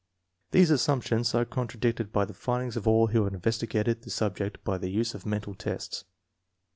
These assumptions are contradicted by the findings of all who have investigated the sub ject by the use of mental tests.